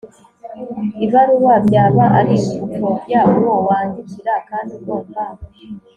ibaruwa. byaba ari ugupfobya uwo wandikira kandi ugomba